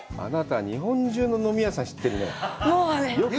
あなた、日本中の飲み屋さん知ってるね。